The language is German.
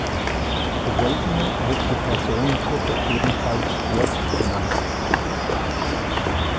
Seltener wird die Personengruppe ebenfalls "Duett" genannt.